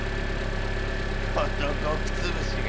このごくつぶしが